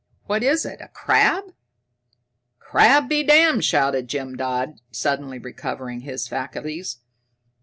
"What is it, a crab?" "Crab be damned!" shouted Jim Dodd, suddenly recovering his faculties.